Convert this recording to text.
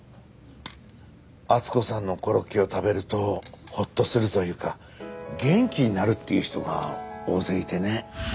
温子さんのコロッケを食べるとホッとするというか元気になるっていう人が大勢いてね。